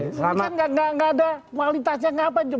ini kan nggak ada kualitasnya nggak apa